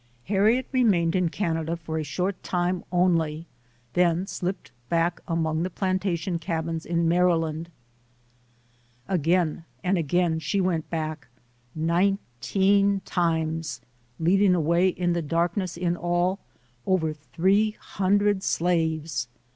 Harriet remained in Canada for a short time only, then slipped back among the plantation cabins in Maryland. Again and again she went back nineteen times leading away in the dark ness, in all, over three hundred slaves.